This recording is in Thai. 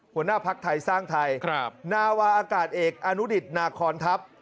หัวหน้าภักดิ์ไทยสร้างไทยนาวาอากาศเอกอนุดิตนาคอนทัพ